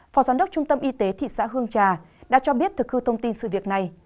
phó giám đốc trung tâm y tế thị xã hương trà đã cho biết thực hư thông tin sự việc này